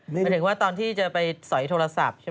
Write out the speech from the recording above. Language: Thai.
หมายถึงว่าตอนที่จะไปสอยโทรศัพท์ใช่ไหม